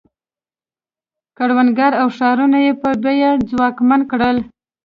کروندګر او ښارونه یې په بیه ځواکمن کړل.